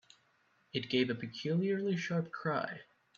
It gave a peculiarly sharp cry.